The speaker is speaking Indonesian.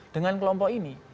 dengan kelompok ini